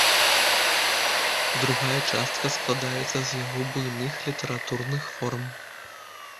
Другая частка складаецца з яго буйных літаратурных форм.